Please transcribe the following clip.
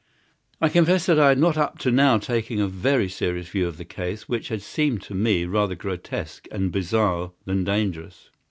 I confess that I had not up to now taken a very serious view of the case, which had seemed to me rather grotesque and bizarre than dangerous.